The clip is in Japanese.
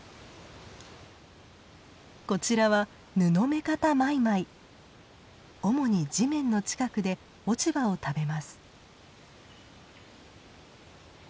こちらは主に地面の近くで落ち葉を食べます。